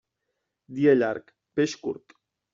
Dia llarg, peix curt.